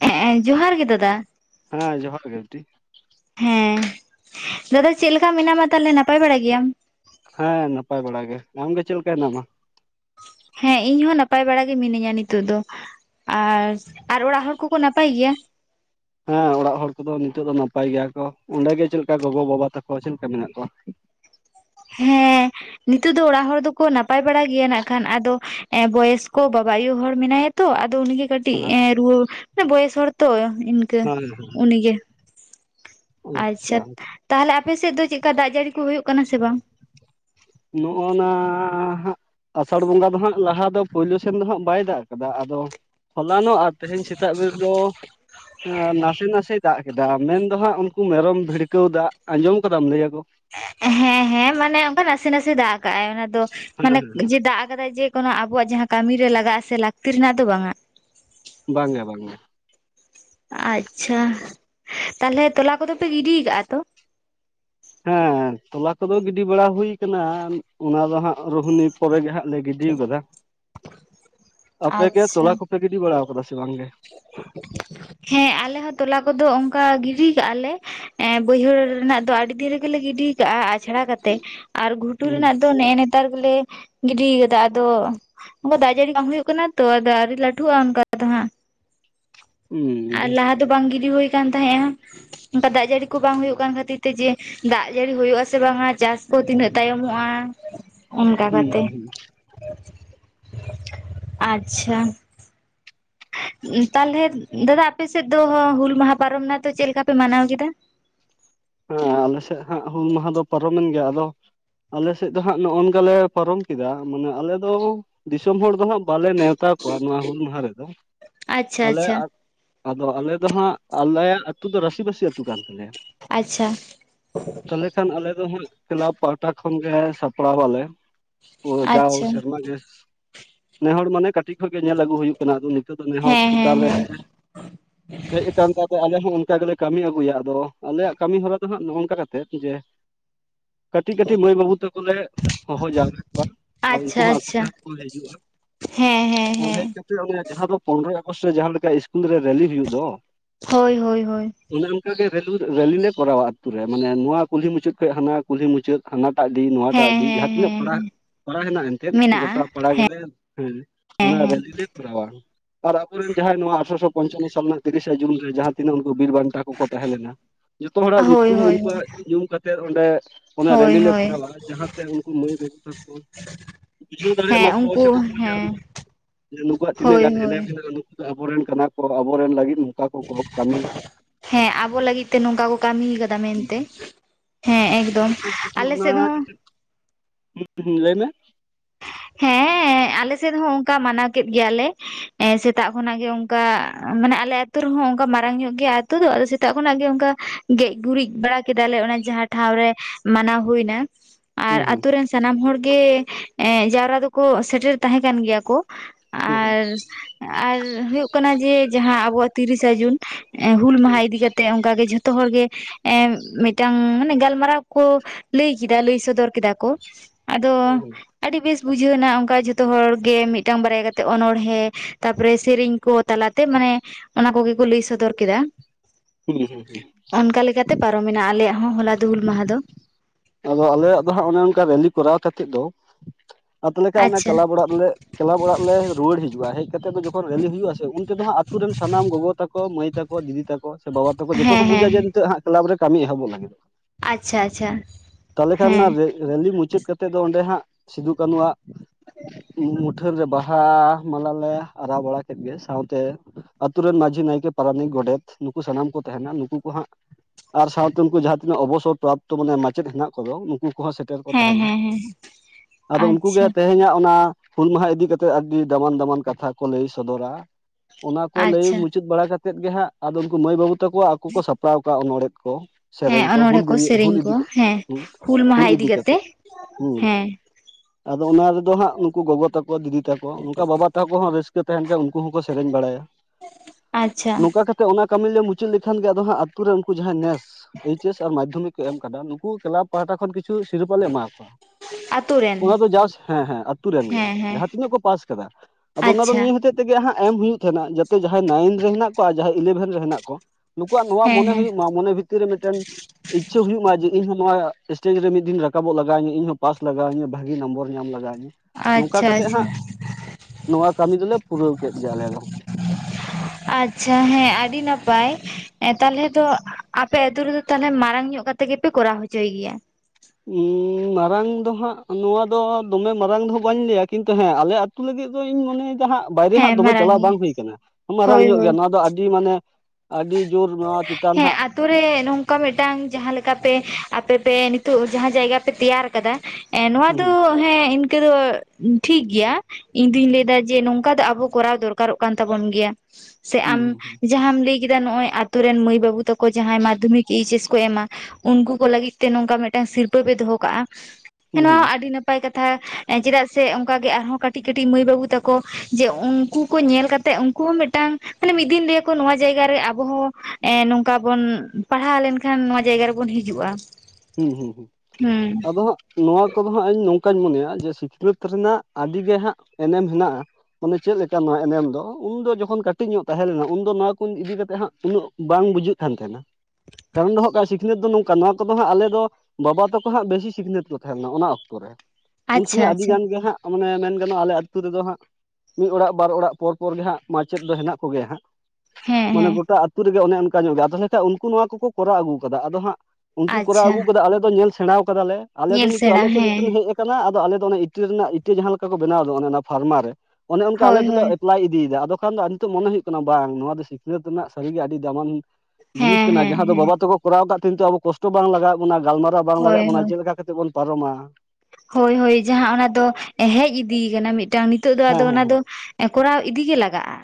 ᱮᱸ ᱡᱚᱦᱟᱨ ᱜᱮ ᱫᱟᱫᱟ ᱦᱮᱸ ᱡᱚᱦᱟᱨ ᱜᱮ ᱴᱤ ᱦᱮᱸ ᱫᱟᱫᱟ ᱪᱮᱫ ᱞᱮᱠᱟ ᱢᱮᱱᱟᱢᱟ ᱛᱟᱦᱚᱞᱮ ᱱᱟᱯᱟᱭ ᱵᱟᱲᱟ ᱜᱮᱭᱟᱢ᱾ ᱦᱮᱸ ᱱᱟᱯᱟᱭ ᱵᱟᱲᱟ ᱜᱮ ᱟᱢᱜᱮ ᱪᱮᱫᱞᱮᱠᱟ ᱦᱮᱱᱟᱢᱟ᱾ ᱦᱮᱸ ᱤᱧ ᱦᱚᱸ ᱱᱟᱯᱟᱭ ᱵᱟᱲᱟ ᱜᱮ ᱢᱤᱱᱟᱹᱧᱟ ᱱᱤᱛᱚᱜ ᱫᱚ᱾ ᱟᱨ ᱟᱨ ᱚᱲᱟᱜ ᱦᱚᱲ ᱠᱚᱠᱚ ᱱᱟᱯᱟᱭ ᱜᱮᱭᱟ᱾ ᱦᱮᱸ ᱚᱲᱟᱜ ᱦᱚᱲ ᱠᱚᱫᱚ ᱱᱤᱛᱚᱜ ᱫᱚ ᱱᱟᱯᱟᱭ ᱜᱮᱭᱟ ᱠᱚ ᱚᱸᱰᱮ ᱜᱮ ᱪᱮᱫ ᱞᱮᱠᱟ ᱜᱚᱜᱚ ᱵᱟᱵᱟ ᱛᱟᱠᱚ ᱪᱮᱫ ᱞᱮᱠᱟ ᱢᱮᱱᱟᱜ ᱠᱚᱣᱟ ᱦᱮᱸ ᱱᱤᱛᱚᱜ ᱫᱚ ᱚᱲᱟᱜ ᱦᱚᱲ ᱫᱚᱠᱚ ᱱᱟᱯᱟᱭ ᱵᱟᱲᱟ ᱜᱮᱭᱟ ᱱᱟᱜ ᱠᱷᱟᱱ ᱟᱫᱚ ᱵᱚᱭᱮᱥᱠᱚ ᱵᱟᱵᱟ ᱟᱭᱳ ᱦᱚᱲ ᱢᱮᱱᱟᱭᱟ᱾ ᱛᱚ ᱟᱫᱚ ᱩᱱᱤᱜᱮ ᱠᱟᱹᱴᱤᱡ ᱦᱮᱸ ᱮ ᱨᱩᱣᱟᱹ ᱢᱟᱱᱮ ᱵᱚᱭᱮᱥ ᱦᱚᱲ ᱛᱚ ᱤᱱᱠᱟᱹ ᱦᱮᱸ ᱩᱱᱤᱜᱮ᱾ ᱟᱪᱪᱷᱟ ᱛᱟᱦᱚᱞᱮ ᱟᱯᱮᱥᱮᱫ ᱫᱚ ᱪᱮᱫᱠᱟ ᱫᱟᱜ ᱡᱟᱹᱲᱤ ᱠᱚ ᱦᱩᱭᱩᱜ ᱠᱟᱱᱟ ᱥᱮ ᱵᱟᱝ᱾ ᱱᱚᱜᱼᱚ ᱱᱟ ᱦᱟᱸᱜ ᱟᱥᱟᱲ ᱵᱚᱸᱜᱟ ᱫᱚ ᱦᱟᱸᱜ ᱞᱟᱦᱟ ᱫᱚ ᱯᱳᱭᱞᱳ ᱥᱮᱱ ᱫᱚ ᱦᱟᱸᱜ ᱵᱟᱭ ᱫᱟᱜ ᱟᱠᱟᱫᱟ ᱟᱫᱚ᱾ ᱦᱚᱞᱟᱱᱚᱜ ᱟᱨ ᱛᱮᱦᱮᱧ ᱥᱮᱛᱟᱜ ᱵᱮᱨ ᱫᱚ ᱱᱟᱥᱮ ᱱᱟᱥᱮ ᱫᱟᱜ᱾ ᱠᱮᱫᱟ ᱢᱮᱱ ᱫᱚ ᱦᱟᱸᱜ ᱩᱱᱠᱩ ᱢᱮᱨᱚᱢ ᱵᱷᱤᱲᱠᱟᱹᱣ ᱫᱟᱜ ᱟᱸᱡᱚᱢ ᱠᱟᱫᱟᱢ ᱞᱟᱹᱭᱟᱠᱚ᱾ ᱦᱮᱸ ᱦᱮᱸ ᱢᱟᱱᱮ ᱚᱱᱠᱟ ᱱᱟᱥᱮ ᱱᱟᱥᱮ ᱫᱟᱜ ᱟᱠᱟᱜ ᱟᱭ ᱚᱱᱟ ᱫᱚ ᱦᱮᱸ ᱢᱟᱱᱮ ᱦᱮᱸ ᱦᱮᱸ ᱡᱮ ᱫᱟᱜ ᱟᱠᱟᱫᱟᱭ ᱡᱮ᱾ ᱠᱳᱱᱳ ᱟᱵᱚᱣᱟᱜ ᱡᱟᱦᱟᱸ ᱠᱟᱹᱢᱤ ᱨᱮ ᱞᱟᱜᱟᱜᱼᱟ ᱥᱮ ᱞᱟᱹᱠᱛᱤ ᱨᱮᱱᱟᱜ ᱫᱚ ᱵᱟᱝᱼᱟ᱾ ᱵᱟᱝᱜᱮ ᱵᱟᱝᱼᱟ᱾ ᱟᱪᱪᱷᱟ ᱛᱟᱦᱚᱞᱮ ᱛᱚᱞᱟ ᱠᱚᱫᱚ ᱯᱮ ᱜᱤᱰᱤ ᱠᱟᱜᱼᱟ ᱛᱚ᱾ ᱦᱮᱸ ᱛᱚᱞᱟ ᱠᱚᱫᱚ ᱜᱤᱰᱤ ᱵᱟᱲᱟ ᱦᱩᱭ ᱠᱟᱱᱟ ᱚᱱᱟ ᱫᱚ ᱦᱟᱸᱜ ᱨᱩᱦᱤᱱᱤ ᱯᱚᱨᱮ ᱜᱮ ᱦᱟᱸᱜ ᱞᱮ ᱜᱤᱰᱤ ᱠᱟᱫᱟ ᱟᱯᱮᱜᱮ ᱟᱪᱪᱷᱟ ᱛᱚᱞᱟ ᱠᱚ ᱯᱮ ᱜᱤᱰᱤ ᱵᱟᱲᱟ ᱠᱟᱫᱟ ᱥᱮ ᱵᱟᱝ ᱜᱮ? ᱦᱮᱸ ᱟᱞᱮ ᱦᱚᱸ ᱛᱚᱞᱟ ᱠᱚᱫᱚ ᱚᱱᱠᱟ ᱜᱤᱰᱤ ᱠᱟᱜᱼᱟ ᱞᱮ᱾ ᱮ ᱵᱟᱹᱭᱦᱟᱹᱲ ᱨᱮᱱᱟᱜ ᱫᱚ ᱟᱹᱰᱤ ᱫᱤᱱ ᱨᱮᱜᱮᱞᱮ ᱜᱤᱰᱤ ᱠᱟᱜᱼᱟ ᱟᱪᱷᱲᱟ ᱠᱟᱛᱮᱜ ᱟᱨ ᱜᱷᱩᱴᱩ ᱦᱩᱸ ᱨᱮᱱᱟᱜ ᱫᱚ ᱱᱮᱜᱼᱮ ᱱᱮᱛᱟᱨ ᱜᱮᱞᱮ ᱜᱤᱰᱤ ᱠᱟᱫᱟ, ᱟᱫᱚ ᱚᱱᱠᱟ ᱫᱟᱜ ᱡᱟᱹᱲᱤ ᱵᱟᱝ ᱦᱩᱭᱩᱜ ᱠᱟᱱᱟ ᱛᱚ ᱟᱫᱚ ᱟᱹᱣᱨᱤ ᱞᱟᱹᱴᱷᱩᱜᱼᱟ ᱚᱱᱠᱟ ᱫᱚ ᱦᱟᱸᱜ᱾ ᱟᱨ ᱩᱸ ᱞᱟᱦᱟ ᱫᱚ ᱵᱟᱝ ᱜᱤᱰᱤ ᱦᱳᱭ ᱠᱟᱱ ᱛᱟᱦᱮᱸᱜᱼᱟ ᱚᱱᱠᱟ ᱫᱟᱜ ᱡᱟᱹᱲᱤ ᱠᱚ ᱵᱟᱝ ᱦᱩᱭᱩᱜ ᱠᱟᱱ ᱠᱷᱟᱹᱛᱤᱨ ᱛᱮ ᱡᱮ ᱫᱟᱜ ᱡᱟᱹᱲᱤ ᱦᱳᱭᱳᱜ ᱟᱥᱮ ᱵᱟᱝᱼᱟ ᱪᱟᱥ ᱠᱚ ᱛᱤᱱᱟᱹᱜ ᱛᱟᱭᱚᱢᱚᱜᱼᱟ᱾ ᱚᱱᱠᱟ ᱦᱩᱸ ᱠᱟᱛᱮ ᱦᱩᱸ ᱟᱪᱪᱷᱟ᱾ ᱛᱟᱞᱦᱮ ᱫᱟᱫᱟ ᱟᱯᱮᱥᱮᱫ ᱫᱚ ᱦᱩᱞ ᱢᱟᱦᱟ ᱯᱟᱨᱚᱢᱱᱟ ᱛᱚ ᱪᱮᱫ ᱞᱮᱠᱟ ᱯᱮ ᱢᱟᱱᱟᱣ ᱠᱮᱫᱟ? ᱦᱮᱸ ᱟᱞᱮ ᱥᱮᱫ ᱦᱟᱸᱜ ᱦᱩᱞ ᱢᱟᱦᱟ ᱫᱚ ᱯᱟᱨᱚᱢᱮᱱ ᱜᱮᱭᱟ, ᱟᱫᱚ ᱟᱞᱮ ᱥᱮᱫ ᱫᱚ ᱦᱟᱸᱜ ᱱᱚᱜᱼᱚ ᱱᱚᱝᱠᱟ ᱞᱮ ᱯᱟᱨᱚᱢ ᱠᱮᱫᱟ, ᱢᱟᱱᱮ ᱟᱞᱮ ᱫᱚ ᱫᱤᱥᱚᱢ ᱦᱚᱲ ᱫᱚ ᱦᱟᱸᱜ ᱵᱟᱞᱮ ᱱᱮᱣᱛᱟ ᱠᱚᱣᱟ ᱱᱚᱣᱟ ᱦᱩᱞ ᱢᱟᱦᱟ ᱨᱮᱫᱚ᱾ ᱟᱪᱪᱷᱟ ᱟᱞᱮ ᱟᱪᱪᱷᱟ ᱟᱫᱚ ᱟᱞᱮ ᱫᱚ ᱦᱟᱸᱜ ᱟᱞᱮᱭᱟᱜ ᱟᱹᱛᱩ ᱫᱚ ᱨᱟᱟᱹᱥᱤᱵᱟᱹᱥᱤ ᱟᱹᱛᱩ ᱠᱟᱱ ᱛᱟᱞᱮᱭᱟ᱾ ᱟᱪᱪᱷᱟ᱾ ᱛᱟᱦᱚᱞᱮ ᱠᱷᱟᱱ ᱟᱞᱮ ᱫᱚ ᱦᱟᱸᱜ ᱠᱞᱟᱵᱽ ᱯᱟᱦᱴᱟ ᱠᱷᱚᱱ ᱜᱮ ᱥᱟᱯᱲᱣᱟᱞᱮ᱾ ᱡᱟᱣ ᱟᱪᱪᱷᱟ ᱥᱮᱨᱢᱟ ᱜᱮ ᱱᱮ ᱦᱚᱲ ᱢᱟᱱᱮ ᱠᱟᱹᱴᱤᱡ ᱠᱷᱚᱡ ᱜᱮ ᱧᱮᱞ ᱟᱹᱜᱩ ᱦᱩᱭᱩᱜ ᱠᱟᱱᱟ ᱟᱫᱚ ᱱᱤᱛᱚᱜ ᱫᱚ ᱱᱮ ᱦᱚᱲ ᱦᱮᱸ ᱪᱮᱛᱟ ᱦᱮᱸ ᱨᱮ ᱦᱮᱸ ᱦᱮᱡ ᱟᱠᱟᱱ ᱛᱮ ᱟᱫᱚ ᱟᱞᱮ ᱦᱚᱸ ᱚᱱᱠᱟ ᱜᱮᱞᱮ ᱠᱟᱹᱢᱤ ᱟᱹᱜᱩᱭᱟ, ᱟᱫᱚ ᱟᱞᱮᱭᱟᱜ ᱠᱟᱹᱢᱤ ᱦᱚᱨᱟ ᱫᱚ ᱦᱟᱸᱜ ᱱᱚᱜᱼᱚ ᱱᱚᱝᱠᱟ ᱠᱟᱛᱮᱫ ᱡᱮ ᱠᱟᱹᱴᱤᱡ ᱠᱟᱹᱴᱤᱡ ᱢᱟᱹᱭ ᱵᱟᱹᱵᱩ ᱛᱟᱠᱚᱞᱮ ᱦᱚᱦᱚ ᱡᱟᱣᱨ ᱠᱚᱣᱟ᱾ ᱟᱨ ᱩᱱᱠᱩ ᱟᱪᱪᱷᱟ ᱦᱚᱸ ᱟᱠᱚ ᱟᱪᱪᱷᱟ ᱛᱮ ᱦᱚ ᱠᱚ ᱦᱤᱡᱩᱜᱼᱟ᱾ ᱦᱮᱸ ᱦᱮᱸ ᱦᱮᱸ᱾ [unintelligible] ᱡᱟᱦᱟᱸ ᱫᱚ ᱯᱚᱱᱨᱚᱭ ᱟᱜᱚᱥᱴ ᱨᱮ ᱡᱟᱦᱟᱸ ᱞᱮᱠᱟ ᱤᱥᱠᱩᱞ ᱨᱮ ᱨᱮᱞᱤ ᱦᱩᱭᱩᱜ ᱫᱚ, ᱦᱳᱭ ᱦᱳᱭ ᱦᱳᱭ ᱚᱱᱮ ᱚᱱᱠᱟᱟᱜᱮ ᱨᱮᱤᱞ ᱞᱮ ᱠᱚᱨᱟᱣᱟ ᱟᱛᱩ ᱨᱮ ᱢᱟᱱᱮ ᱱᱚᱣᱟ ᱠᱩᱞᱦᱤ ᱢᱩᱪᱟᱹᱫ ᱠᱷᱚᱱ ᱦᱟᱱᱟ ᱠᱩᱞᱦᱤ ᱢᱩᱪᱟᱹᱫ᱾ ᱦᱟᱱᱟᱴᱟᱜ ᱰᱤ ᱱᱚᱣᱟᱴᱟᱜ ᱦᱮᱸ ᱰᱤ ᱦᱮᱸ ᱡᱟᱦᱟᱸ ᱛᱤᱱᱟᱹᱜ ᱯᱟᱲ ᱦᱮᱸ ᱯᱟᱲᱟᱜ ᱦᱮᱱᱟᱜᱼᱟ ᱮᱱᱛᱮᱫ, ᱢᱮᱱᱟᱜᱼᱟ ᱜᱚᱴᱟ ᱯᱟᱲᱟ ᱜᱮᱞᱮ ᱦᱮᱸ ᱦᱮᱸ ᱚᱱᱟ ᱦᱮᱸ ᱨᱮᱞᱤ ᱞᱮ ᱠᱚᱨᱟᱣᱟ᱾ ᱟᱨ ᱟᱵᱚᱨᱮᱱ ᱡᱟᱦᱟᱸᱭ ᱱᱚᱣᱟ ᱟᱴᱷᱨᱚᱥᱚ ᱯᱚᱧᱪᱟᱱᱱᱚ ᱥᱟᱞ ᱨᱮᱱᱟᱜ ᱛᱤᱨᱤᱥᱟ ᱡᱩᱱ ᱨᱮ ᱡᱟᱦᱟᱸ ᱛᱤᱱᱟᱹᱜ ᱩᱱᱠᱩ ᱵᱤᱨ ᱵᱟᱱᱴᱟ ᱠᱚᱠᱚ ᱛᱟᱦᱮᱸ ᱞᱮᱱᱟ, ᱡᱷᱚᱛᱚ ᱦᱚᱲᱟᱜ ᱦᱳᱭ ᱧᱩᱛᱩᱢ ᱦᱳᱭ ᱦᱳᱭ ᱩᱱᱠᱩᱣᱟᱜ ᱧᱩᱢ ᱠᱟᱛᱮᱫ ᱚᱸᱰᱮ ᱚᱱᱟ ᱦᱳᱭ ᱨᱮᱞᱤ ᱦᱳᱭ ᱠᱚᱨᱟᱣᱟ ᱡᱟᱦᱟᱸᱛᱮ ᱩᱱᱠᱩ ᱢᱟᱹᱭ ᱵᱟᱹᱵᱩ ᱛᱟᱠᱚ ᱵᱩᱡᱷᱟᱹᱣ ᱫᱟᱲᱮᱭᱟᱜ ᱦᱮᱸ ᱢᱟᱠᱚ ᱩᱱᱠᱩ ᱥᱮᱠᱚ ᱵᱩᱡᱟᱢ, ᱦᱮᱸ ᱥᱮ ᱱᱩᱠᱩᱣᱟᱜ ᱛᱤᱱᱟᱹᱜ ᱦᱳᱭ ᱜᱟᱱ ᱦᱳᱭ ᱮᱱᱮᱢ ᱦᱮᱱᱟᱜ ᱱᱩᱠᱩ ᱫᱚ ᱟᱵᱚᱨᱮᱱ ᱠᱟᱱᱟ ᱠᱚ ᱟᱵᱚᱨᱮᱱ ᱞᱟᱹᱜᱤᱫ ᱱᱚᱝᱠᱟ ᱠᱚᱠᱚ ᱠᱟᱹᱢᱤᱭᱮ ᱟᱠᱟᱫᱟ᱾ ᱦᱮᱸ ᱟᱵᱚ ᱞᱟᱹᱜᱤᱫ ᱛᱮ ᱱᱚᱝᱠᱟ ᱠᱚ ᱠᱟᱹᱢᱤ ᱠᱟᱫᱟ ᱢᱮᱱᱛᱮ᱾ ᱦᱮᱸ ᱮᱠᱫᱚᱢ ᱩᱱ ᱡᱚᱠᱷᱚᱱ ᱟᱞᱮ ᱥᱮᱫ ᱚᱱᱟᱚ ᱦᱚᱸ ᱦᱩᱸ ᱦᱩᱸ ᱞᱟᱹᱭᱢᱮ ᱦᱮᱸᱻ ᱟᱞᱮ ᱥᱮᱫ ᱦᱚᱸ ᱚᱱᱠᱟ ᱢᱟᱱᱟᱣ ᱠᱮᱫ ᱜᱮᱭᱟ ᱞᱮ᱾ ᱮ ᱥᱮᱛᱟᱜ ᱠᱷᱚᱱᱟᱜ ᱜᱮ ᱚᱱᱠᱟ ᱢᱟᱱᱮ ᱟᱞᱮ ᱟ ᱟᱹᱛᱩ ᱨᱮᱦᱚᱸ ᱚᱱᱠᱟ ᱢᱟᱨᱟᱝ ᱧᱚᱜ ᱜᱮ [unintelligible] ᱫᱚ ᱟᱫᱚ ᱥᱮᱛᱟᱜ ᱠᱷᱚᱱᱟᱜ ᱜᱮ ᱚᱱᱠᱟ ᱜᱮᱡ ᱜᱩᱨᱤᱡ ᱵᱟᱲᱟ ᱠᱮᱫᱟᱞᱮ ᱚᱱᱟ ᱡᱟᱦᱟᱸ ᱴᱷᱟᱶ ᱨᱮ ᱢᱟᱱᱟᱣ ᱦᱩᱭᱱᱟ᱾ ᱟᱨ ᱦᱩᱸ ᱟᱛᱩᱨ ᱨᱮᱱ ᱥᱟᱱᱟᱢ ᱦᱚᱲᱜᱮ ᱮ ᱡᱟᱣᱨᱟ ᱫᱚᱠᱚ ᱥᱮᱴᱮᱨ ᱛᱟᱸᱦᱮ ᱠᱟᱱ ᱜᱮᱭᱟ ᱠᱚ᱾ ᱦᱩᱸ ᱟᱨ ᱟᱨ ᱦᱩᱭᱩᱜ ᱠᱟᱱᱟ ᱡᱮ ᱡᱟᱦᱟᱸ ᱟᱵᱚᱣᱟᱜ ᱛᱤᱨᱤᱥᱟ ᱡᱩᱱ᱾ ᱦᱩᱞ ᱦᱩᱸ ᱢᱟᱦᱟ ᱤᱫᱤ ᱠᱟᱛᱮᱜ ᱚᱱᱠ ᱜᱮ ᱡᱷᱚ ᱛᱚ ᱦᱚᱲ ᱜᱮ ᱮ ᱢᱤᱫᱴᱟᱝ ᱢᱟᱱᱮ ᱜᱟᱞᱢᱟᱨᱟᱣ ᱠᱚ ᱞᱟᱹᱭ ᱠᱮᱫᱟ ᱞᱟᱹᱭ ᱥᱚᱫᱚᱨ ᱠᱮᱫᱟ ᱠᱚ᱾ ᱟᱫᱚ ᱦᱩᱸ ᱟᱹᱰᱤ ᱵᱮᱥ ᱵᱩᱡᱷᱟᱹᱣ ᱮᱱᱟ ᱚᱱᱠᱟ ᱡᱷᱚᱛᱚ ᱦᱚᱲ ᱜᱮ ᱢᱤᱫᱴᱟᱝ ᱵᱟᱨᱭᱟ ᱠᱟᱛᱮᱜ ᱚᱱᱚᱬᱦᱮᱸ ᱛᱟᱯᱚᱨᱮ ᱥᱮᱨᱮᱧ ᱠᱚ ᱛᱟᱞᱟᱛᱮ, ᱢᱟᱱᱮ ᱚᱱᱟ ᱠᱚᱜᱮ ᱠᱚ ᱞᱟᱹᱭ ᱥᱚᱫᱚᱨ ᱠᱮᱫᱟ᱾ ᱦᱩᱸ ᱦᱩᱸ ᱦᱩᱸ᱾ ᱚᱱᱠᱟ ᱞᱮᱠᱟᱛᱮ ᱯᱟᱨᱚᱢᱮᱱᱟ ᱟᱞᱮᱭᱟᱜ ᱦᱚᱸ ᱦᱚᱞᱟ ᱫᱩ ᱦᱩᱞ ᱢᱟᱦᱟ ᱫᱚ᱾ ᱟᱫᱚ ᱟᱞᱮᱭᱟᱜ ᱫᱚ ᱦᱜ ᱚᱱᱮ ᱚᱱᱠᱟ ᱨᱮᱞᱤ ᱠᱚᱨᱟᱣ ᱠᱟᱛᱮ ᱫᱚ ᱟᱚᱛ ᱞᱮᱠᱟ ᱟᱪᱪᱷᱟ ᱠᱟᱞᱟ ᱚᱲᱟᱜ ᱨᱮᱞᱮ ᱠᱮᱞᱟᱵᱽ ᱚᱲᱟᱜ ᱞᱮ ᱨᱩᱣᱟᱹᱲ ᱦᱤᱡᱩᱜᱼᱟ ᱦᱮᱡ ᱠᱟᱛᱮᱜ ᱫᱚ ᱡᱚᱠᱷᱚᱱ ᱨᱮᱞᱤ ᱦᱩᱭᱩᱜᱼᱟ, ᱥᱮ ᱩᱱᱛᱮᱚ ᱦᱟᱸᱜ ᱟᱛᱩᱨ ᱨᱮᱱ ᱥᱟᱱᱟᱢ ᱜᱚᱜᱚ ᱛᱟᱠᱚ ᱢᱟᱹᱭ ᱛᱟᱠᱚ ᱫᱤᱫᱤ ᱛᱟᱠᱚ ᱥᱮ ᱵᱟᱵᱟ ᱛᱟᱠᱚ ᱡᱚᱛᱚ ᱦᱮᱸ ᱠᱚ ᱵᱩᱡᱟ ᱦᱮᱸ ᱡᱮ ᱱᱤᱛᱚᱜ ᱦᱟᱜ ᱠᱞᱟᱵᱽ ᱨᱮ ᱠᱟᱹᱢᱤ ᱮᱦᱚᱵᱚᱜ ᱞᱟᱹᱜᱤᱫ ᱟᱪᱪᱷᱟ ᱟᱪᱪᱷᱟ᱾ ᱛᱟᱦᱚᱞᱮ ᱠᱷᱟᱱ ᱦᱮᱸ ᱚᱱᱟ [unintelligible] ᱨᱮᱞᱤ ᱢᱩᱪᱟᱹᱫ ᱠᱟᱛᱮᱜ ᱫᱚ ᱚᱸᱰᱮ ᱦᱟᱸᱜ ᱥᱤᱫᱩ ᱠᱟᱹᱱᱩᱣᱟᱜ [unintelligible] ᱢᱩᱴᱷᱟᱹᱱ ᱨᱮ ᱵᱟᱦᱟ ᱢᱟᱞᱟ ᱞᱮ ᱟᱨᱟᱣ ᱵᱟᱲᱟ ᱠᱮᱫ ᱜᱮ ᱥᱟᱶᱛᱮ ᱟᱛᱩ ᱨᱮᱱ ᱢᱟᱺᱡᱷᱤ ᱱᱟᱭᱠᱮ ᱯᱟᱨᱟᱱᱤᱠ ᱜᱚᱰᱮᱛ ᱱᱩᱠᱩ ᱥᱟᱱᱟᱢ ᱠᱚ ᱛᱟᱦᱮᱱᱟ ᱱᱩᱠᱩ ᱠᱚ ᱦᱟᱸᱜ ᱟᱨ ᱥᱟᱶᱛᱮ ᱩᱱᱠᱩ ᱡᱟᱦᱟᱸ ᱛᱤᱱᱟᱹᱜ ᱚᱵᱚᱥᱚᱨ ᱯᱨᱟᱯᱛᱚ ᱢᱟᱱᱮ ᱢᱟᱪᱮᱫ ᱦᱮᱱᱟᱜ ᱠᱚᱫᱚ ᱱᱩᱠᱩ ᱠᱚᱦᱚᱸ ᱥᱮᱴᱮᱨ ᱠᱚ ᱦᱮᱸ ᱛᱟᱦᱮᱱᱟ ᱦᱮᱸ ᱦᱮᱸ [unintelligible] ᱟᱫᱚ ᱩᱱᱠᱩ ᱜᱮ ᱟᱪᱪᱷᱟ ᱛᱮᱦᱮᱧᱟᱜ ᱚᱱᱟ ᱦᱩᱞ ᱢᱟᱦᱟ ᱤᱫᱤ ᱠᱟᱛᱮᱫ ᱟᱹᱰᱤ ᱫᱟᱢᱟᱱ ᱫᱟᱢᱟᱱ ᱠᱟᱛᱷᱟ ᱠᱚ ᱞᱟᱹᱭ ᱥᱚᱫᱚᱨᱟ [unintelligible] ᱚᱱᱟ ᱠᱚ ᱞᱟᱹᱭ ᱟᱪᱪᱷᱟ ᱢᱩᱪᱟᱹᱫ ᱢᱩᱪᱟᱹᱫ ᱵᱟᱲᱟ ᱠᱟᱛᱮᱫ ᱜᱮ ᱦᱟᱸᱜ ᱟᱫᱚ ᱩᱱᱠᱩ ᱢᱟᱹᱭ ᱵᱟᱹᱵᱩ ᱛᱟᱠᱚ ᱟᱠᱚ ᱠᱚ ᱥᱟᱯᱲᱟᱣ ᱠᱟᱜᱼᱟ ᱚᱱᱚᱲᱦᱮ ᱠᱚ ᱦᱮᱸ ᱥᱮᱨᱮᱧ ᱠᱚ ᱦᱩᱞ ᱚᱱᱚᱬᱦᱮᱸ ᱜᱤᱨᱭᱟᱹ ᱦᱩᱞ ᱥᱮᱨᱮᱧ ᱠᱚ ᱤᱫᱤ ᱦᱮᱸ ᱢᱟᱦᱟ ᱦᱩᱞ ᱤᱫᱤ ᱠᱟᱛᱮ ᱠᱟᱛᱮᱫ᱾ ᱦᱮᱸ ᱟᱫᱚ ᱚᱱᱟ ᱨᱮᱫᱚ ᱦᱟᱸᱜ ᱱᱩᱠᱩ ᱜᱚᱜᱚ ᱛᱟᱠᱚ ᱫᱤᱫᱤ ᱛᱟᱠᱚ ᱱᱚᱝᱠᱟ ᱵᱟᱵᱟ ᱛᱟᱠᱚ ᱦᱚᱸ ᱨᱟᱹᱥᱠᱟᱹ ᱛᱟᱦᱮᱱ ᱠᱷᱟᱡ ᱩᱱᱠᱩ ᱦᱚᱸᱠᱚ ᱥᱮᱨᱮᱧ ᱵᱟᱲᱟᱭᱟ ᱟᱪᱪᱷᱟ [unintelligible] ᱱᱚᱝᱠᱟ ᱠᱟᱛᱮ ᱚᱱᱟ ᱠᱟᱹᱢᱤ ᱞᱮ ᱢᱩᱪᱟᱹᱫ ᱞᱮᱠᱷᱟᱱ ᱜᱮ ᱟᱫᱚ ᱦᱟᱸᱜ ᱟᱛᱳ ᱨᱮ ᱩᱱᱠᱩ ᱡᱟᱦᱟᱸᱭ ᱱᱮᱥ ᱮᱭᱤᱪᱥ ᱟᱨ ᱢᱟᱫᱽᱫᱷᱚᱢᱤᱠ ᱠᱚ ᱮᱢ ᱟᱠᱟᱫᱟ ᱱᱩᱠᱩ ᱱᱩᱠᱩ ᱠᱞᱟᱵᱽ ᱯᱟᱦᱟᱴᱟ ᱠᱷᱚᱱ ᱠᱤᱪᱷᱩ ᱥᱤᱨᱯᱟ ᱞᱮ ᱮᱢᱟ ᱠᱚᱣᱟ᱾ ᱟᱛᱳ ᱨᱮᱱ ᱚᱱᱟ ᱫᱚ ᱡᱟᱥᱴ, ᱦᱮᱸ ᱦᱮᱸ ᱟᱛᱩ ᱨᱮᱱ ᱜᱮ ᱦᱮᱸ ᱦᱮᱸ ᱡᱟᱦᱟᱸ ᱛᱤᱱᱟᱹᱜ ᱠᱚ ᱯᱟᱥ ᱟᱠᱟᱫᱟ ᱾ᱟᱫᱚ ᱚᱱᱟ ᱫᱚ ᱟᱪᱪᱷᱟ ᱱᱤᱭᱟᱹ ᱦᱚᱛᱮᱫ ᱛᱮᱜᱮ ᱦᱟᱸᱜ ᱮᱢ ᱦᱩᱭᱩᱜ ᱛᱟᱦᱮᱱᱟ ᱡᱟᱛᱮ ᱡᱟᱦᱟᱸᱭ ᱱᱟᱭᱤᱱ ᱨᱮ ᱦᱮᱱᱟᱜ ᱠᱚᱣᱟ ᱟᱨ ᱡᱟᱦᱟᱸᱭ ᱤᱞᱮᱵᱷᱮᱱ ᱦᱮᱱᱟᱜ ᱠᱚᱣᱟ ᱱᱩᱠᱩᱣᱟᱜ ᱱᱚᱣᱟ ᱦᱮᱸ ᱢᱚᱱᱮ ᱦᱮᱸ ᱦᱩᱭᱩᱜ ᱢᱟ ᱢᱚᱱᱮ ᱵᱷᱤᱛᱤᱨ ᱨᱮ ᱢᱤᱫᱴᱟᱝ ᱤᱪᱪᱷᱟᱹ ᱦᱩᱭᱩᱜ ᱢᱟ ᱡᱮ ᱤᱧᱦ‌ ᱱᱚᱣᱟ ᱥᱴᱮᱡᱽ ᱨᱮ ᱢᱤᱫ ᱫᱤᱱ ᱨᱟᱠᱟᱵᱚᱜ ᱞᱟᱜᱟᱣ ᱤᱧᱟ ᱤᱧᱦᱚᱸ ᱯᱟᱥ ᱞᱟᱜᱟᱣ ᱤᱧᱟᱹ ᱵᱷᱟᱹᱜᱤ ᱱᱚᱢᱵᱚᱨ ᱧᱟᱢ ᱞᱟᱜᱟᱣᱤᱧᱟ᱾ ᱱᱚᱝᱠᱟ ᱟᱪᱪᱷᱟ ᱠᱟᱛᱮᱫ ᱟᱪᱪᱷᱟ ᱦᱟᱸᱜ ᱱᱚᱣᱟ ᱠᱟᱹᱢᱤ ᱫᱚᱞᱮ ᱯᱩᱨᱟᱹᱣ ᱠᱮᱫ ᱜᱮᱭᱟ ᱟᱞᱮ ᱫᱚ᱾ ᱟᱪᱪᱷᱟ ᱦᱮᱸ ᱟᱹᱰᱤ ᱱᱟᱯᱟᱭ ᱾ᱛᱟᱦᱚᱞᱮ ᱫᱚ ᱟᱯᱮ ᱟᱹᱛᱩ ᱨᱮᱫᱚ ᱛᱟᱦᱚᱞᱮ ᱢᱟᱨᱟᱝ ᱧᱚᱜ ᱠᱟᱛᱮᱜ ᱜᱮᱯᱮ ᱠᱚᱨᱟᱣ ᱦᱚᱪᱚᱭ ᱜᱮᱭᱟ᱾ ᱢᱟᱨᱟᱝ ᱫᱚ ᱦᱟᱸᱜ ᱱᱚᱣᱟ ᱫᱚ ᱫᱚᱢᱮ ᱢᱟᱨᱟᱝ ᱫᱚ ᱵᱟᱹᱧ ᱞᱟᱹᱭᱟ ᱠᱤᱱᱛᱩ ᱦᱮᱸ ᱟᱞᱮ [unintelligible] ᱟᱹᱛᱩ ᱞᱟᱹᱜᱤᱫ ᱫᱚ ᱤᱧ ᱢᱚᱱᱮᱭᱮᱫᱟ ᱦᱟᱸᱜ ᱵᱟᱭᱨᱮ ᱦᱮᱸ ᱦᱟᱸᱜ ᱫᱚᱢᱮ ᱢᱟᱨᱟᱝ ᱪᱟᱞᱟᱣ ᱜᱮ ᱵᱟᱝ ᱦᱩᱭ ᱟᱠᱟᱱᱟ ᱢᱟᱨᱟᱝ ᱦᱳᱭ ᱧᱚᱜ ᱜᱮᱭᱟ᱾ ᱦᱳᱭ ᱱᱚᱣᱟ ᱫᱚ ᱟᱹᱰᱤ ᱢᱟᱱᱮ ᱟᱹᱰᱤ ᱡᱳᱨ ᱱᱚᱣᱟ ᱪᱮᱛᱟᱱ ᱦᱟᱸᱜ ᱱᱚᱝᱠᱟᱱ ᱢᱤᱫᱴᱟᱝ ᱡᱟᱦᱟᱸ ᱞᱮᱠᱟ ᱯᱮ ᱟᱯᱮ ᱯᱮ ᱱᱤᱛᱚᱜ ᱡᱟᱦᱟᱸ ᱡᱟᱭᱜᱟ ᱯᱮ ᱛᱮᱭᱟᱨ ᱟᱠᱟᱫᱟ ᱮ ᱱᱚᱣᱟ ᱫᱚ ᱦᱩᱸ ᱦᱮᱸ ᱤᱱᱠᱟᱹ ᱫᱚ ᱴᱷᱤᱠ ᱜᱮᱭᱟ ᱤᱧ ᱫᱩᱧ ᱞᱟᱹᱭ ᱮᱫᱟ ᱡᱮ ᱱᱚᱝᱠᱟ ᱫᱚ ᱟᱵᱚ ᱠᱚᱨᱟᱣ ᱫᱚᱨᱠᱟᱨᱚᱜ ᱠᱟᱱ ᱛᱟᱵᱚᱱ ᱜᱮᱭᱟ ᱥᱮ ᱦᱩᱸ ᱟᱢ ᱦᱩᱸ ᱡᱟᱦᱟᱸᱢ ᱞᱟᱹᱭ ᱠᱮᱫᱟ ᱱᱚᱜ ᱚᱭ ᱟᱛᱩ ᱨᱮᱱ ᱢᱟᱹᱭ ᱵᱟᱹᱵᱩ ᱛᱟᱠᱚ ᱡᱟᱦᱟᱸᱭ ᱢᱟᱫᱽᱫᱷᱚᱢᱤᱠ ᱮᱭᱤᱪ ᱮᱥ ᱠᱚ ᱮᱢᱟ ᱩᱱᱠᱩ ᱠᱚ ᱞᱟᱹᱜᱤᱫ ᱛᱮ ᱱᱚᱝᱠᱟ ᱢᱤᱫᱴᱟᱝ ᱥᱤᱨᱯᱟᱹ ᱯᱮ ᱫᱚᱦᱚ ᱠᱟᱜ-ᱟ ᱦᱩᱸ ᱦᱩᱸ ᱱᱚᱣᱟ ᱟᱹᱰᱤ ᱱᱟᱯᱟᱭ ᱱᱟᱯᱟᱭ ᱠᱟᱛᱷᱟ ᱪᱮᱫᱟᱜ ᱥᱮ ᱚᱱᱠᱟ ᱜᱮ ᱟᱨᱦᱚᱸ ᱠᱟᱹᱴᱤᱡ ᱠᱟᱹᱴᱤᱡ ᱢᱟᱹᱭ ᱵᱟᱹᱵᱩ ᱛᱟᱠᱚ ᱡᱮ ᱩᱱᱠᱩ ᱠᱚ ᱧᱮᱞ ᱠᱟᱛᱮᱫ ᱠᱚ ᱢᱤᱫᱴᱟᱝ ᱢᱟᱱᱮ ᱢᱤᱫ ᱫᱤᱱ ᱞᱟᱹᱭ ᱟᱠᱚ ᱱᱚᱣᱟ ᱡᱟᱭᱜᱟ ᱨᱮ ᱟᱵᱚ ᱦᱚ ᱮ ᱱᱚᱝᱠᱟ ᱵᱚᱱ ᱯᱟᱲᱦᱟᱣ ᱞᱮᱱᱠᱷᱟᱱ ᱱᱚᱣᱟ ᱡᱟᱭᱜᱟ ᱨᱮᱵᱚᱱ ᱦᱤᱡᱩᱜ-ᱟ᱾ ᱦᱩᱸ ᱦᱩᱸ ᱦᱩᱸ [unintelligible] ᱟᱫᱚ ᱦᱟᱸᱜ ᱱᱚᱣᱟ ᱠᱚᱫᱚ ᱦᱟᱸᱜ ᱤᱧ ᱱᱚᱝᱠᱟᱧ ᱢᱚᱱᱮᱭᱟ ᱡᱮ ᱥᱤᱠᱷᱱᱟᱹᱛ ᱨᱮᱱᱟᱜ ᱟᱹᱰᱤ ᱜᱮ ᱦᱟᱸᱜ ᱮᱱᱮᱢ ᱦᱮᱱᱟᱜ-ᱟ᱾ ᱢᱟᱱᱮ ᱪᱮᱫ ᱞᱮᱠᱟ ᱱᱚᱣᱟ ᱮᱱᱮᱢ ᱫᱚ ᱩᱱ ᱫᱚ ᱡᱚᱠᱷᱚᱱ ᱠᱟᱹᱴᱤᱡ ᱧᱚᱜ ᱛᱟᱦᱮ ᱞᱮᱱᱟ ᱩᱱᱫᱚ ᱱᱚᱣᱟ ᱠᱚ ᱤᱫᱤ ᱠᱟᱛᱮᱜ ᱦᱟᱜ ᱩᱱᱟᱹᱜ ᱵᱟᱝ ᱵᱩᱡᱷᱟᱹᱜ ᱠᱟᱱ ᱛᱟᱦᱮᱱᱟ [unintelligible] ᱠᱟᱨᱚᱱ ᱫᱚ ᱦᱩᱭᱩᱜ ᱠᱟᱱᱟ ᱥᱤᱠᱷᱱᱟᱹᱛ ᱫᱚ ᱱᱚᱝᱠᱟ ᱱᱚᱣᱟ ᱠᱚ ᱫᱚ ᱦᱟᱜ ᱟᱞᱮ ᱫᱚ ᱵᱟᱵᱟ ᱛᱟᱠᱚ ᱦᱟᱸᱜ ᱵᱮᱥᱤ ᱥᱤᱠᱷᱱᱟᱹᱛ ᱠᱚ ᱛᱟᱦᱮ ᱞᱮᱱᱟ ᱚᱱᱟ ᱚᱠᱛᱚ ᱨᱮ ᱩᱱ ᱟᱪᱪᱷᱟ ᱥᱚᱢᱚᱭ ᱟᱹᱰᱤ ᱟᱪᱪᱷᱟ ᱜᱟᱱ ᱜᱮ ᱦᱟᱸᱜ ᱢᱟᱱᱮ ᱢᱮᱱ ᱜᱟᱱᱚᱜ-ᱟ ᱟᱞᱮ ᱟᱹᱛᱩ ᱨᱮᱫᱚ ᱦᱟᱸᱜ ᱢᱤᱫ ᱚᱲᱟᱜ ᱵᱟᱨ ᱚᱲᱟᱜ ᱯᱚᱨ ᱯᱚᱨ ᱜᱮ ᱦᱟᱸᱜ ᱢᱟᱪᱮᱫ ᱫᱚ ᱦᱮᱱᱟᱜ ᱠᱚᱜᱮᱭᱟ ᱦᱟᱸᱜ ᱦᱮᱸ ᱢᱟᱱᱮ ᱦᱮᱸ ᱜᱚᱴᱟ ᱟᱹᱛᱩ ᱨᱮᱜᱮ ᱚᱱᱮ ᱚᱱᱠᱟ ᱧᱚᱜ ᱜᱮᱭᱟ ᱛᱟᱦᱚᱞᱮ ᱠᱷᱟᱡ ᱩᱱᱠᱩ ᱱᱚᱣᱟ ᱠᱚᱠᱚ ᱠᱚᱨᱟᱣ ᱟᱹᱜᱩ ᱟᱠᱟᱫᱟ ᱟᱫᱚ ᱦᱟᱸᱜ ᱩᱱᱠᱩ ᱠᱚᱨᱟᱣ ᱟᱪᱪᱷᱟ ᱟᱹᱜᱩ ᱟᱠᱟᱫᱟ ᱟᱞᱮ ᱫᱚ ᱧᱮᱞ ᱥᱮᱬᱟ ᱟᱠᱟᱫᱟᱞᱮ ᱟᱞᱮ ᱫᱚ ᱧᱮᱞ [unintelligible] ᱥᱮᱬᱟ ᱦᱮᱸ ᱴᱷᱮᱱ ᱦᱮᱡ ᱟᱫᱚ ᱟᱞᱮ ᱫᱚ ᱤᱴᱟᱹ ᱨᱮᱱᱟᱜ ᱤᱴᱟᱹ ᱡᱟᱦᱟᱸ ᱞᱮᱠᱟ ᱠᱚ ᱵᱮᱱᱟᱣ [unintelligible] ᱚᱱᱟ ᱯᱷᱟᱨᱢᱟ ᱨᱮ ᱚᱱᱮ ᱚᱱᱠᱟ ᱟᱞᱮ ᱦᱳᱭ ᱫᱚᱞᱮ ᱦᱳᱭ ᱮᱯᱞᱟᱭ ᱤᱫᱤ ᱮᱫᱟ ᱟᱫᱚᱠᱷᱟᱱ ᱫᱚ ᱟᱨ ᱱᱤᱛᱚᱜ ᱢᱚᱱᱮ ᱦᱩᱭᱩᱜ ᱠᱟᱱᱟ ᱵᱟᱝ ᱱᱚᱣᱟ ᱫᱚ ᱥᱤᱠᱷᱱᱟᱹᱛ ᱨᱮᱱᱟᱜ ᱥᱟᱹᱨᱤᱜᱮ ᱟᱹᱰᱤ ᱫᱟᱢᱟᱱ ᱡᱤᱱᱤᱥ ᱦᱮᱸ ᱠᱟᱱᱟ ᱦᱮᱸ ᱡᱟᱦᱟᱸ ᱫᱚ ᱦᱮᱸ ᱵᱟᱵᱟ ᱛᱮᱠᱚ ᱠᱚᱨᱟᱣ ᱟᱠᱟᱫ ᱛᱮ ᱱᱤᱛᱚᱜ ᱟᱵᱚ ᱠᱚᱥᱴᱚ ᱵᱟᱝ ᱞᱟᱜᱟᱣ-ᱟᱜ ᱵᱚᱱᱟ ᱜᱟᱞᱢᱟᱨᱟᱣ ᱵᱟᱝ ᱦᱳᱭ ᱞᱟᱜᱟᱣ-ᱟᱜ ᱵᱚᱱᱟ ᱦᱳᱭ ᱪᱮᱫ ᱞᱮᱠᱟ ᱠᱟᱛᱮᱫ ᱵᱚᱱ ᱯᱟᱨᱚᱢᱟ ᱦᱳᱭ ᱦᱳᱭ ᱡᱟᱦᱟᱸ ᱚᱱᱟ ᱫᱚ ᱦᱮᱡ ᱤᱫᱤ ᱟᱠᱟᱱᱟ ᱢᱤᱫᱴᱟᱝ ᱱᱤᱛᱚᱜ ᱫᱚ ᱟᱫᱚ ᱦᱮᱸ ᱦᱮᱸ ᱚᱱᱟ ᱫᱚ ᱮ ᱠᱚᱨᱟᱣ ᱤᱫᱤ ᱜᱮ ᱞᱟᱜᱟᱜ-ᱟ᱾